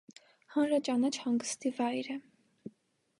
Հանրաճանաչ հանգստի վայր է։